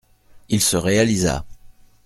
Il se réalisa.